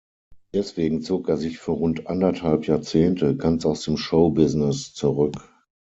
Deswegen zog er sich für rund anderthalb Jahrzehnte ganz aus dem Showbusiness zurück.